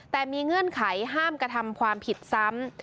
แต่มีเงื่อนไขห้ามกระทำความผิดซ้ำ